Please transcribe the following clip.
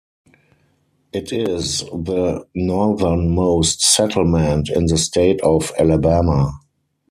It is the northernmost settlement in the state of Alabama.